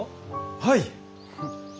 はい！